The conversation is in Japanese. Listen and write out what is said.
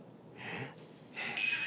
えっ？